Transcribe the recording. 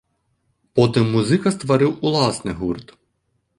Потым музыка стварыў уласны гурт.